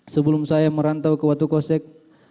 sebelum saya merantau ke watu kosek